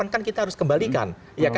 kan kita harus kembalikan